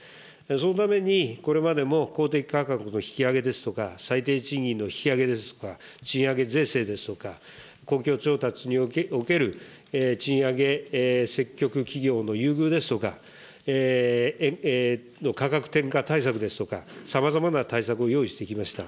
そのためにこれまでも公的価格の引き上げですとか、最低賃金の引き上げですとか、賃上げ税制ですとか、公共調達における賃上げ、積極企業の優遇ですとか、価格転嫁対策ですとか、さまざまな対策を用意してきました。